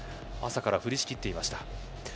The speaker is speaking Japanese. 朝から降りしきっていました。